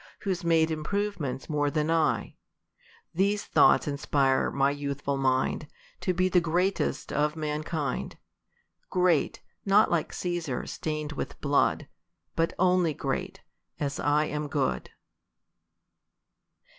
Who's made improvements more than I ? These thoughts inspire my youthful mind To be the greatest of mankind ; Great, not like Cesar, stain'd with blood j ^ But only great, as I am good.